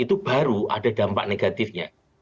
itu baru ada dampak negatifnya